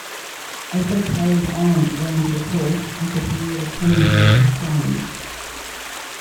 As they carried on round the course, I could hear the commentator saying.